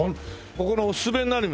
ここのおすすめは何になる？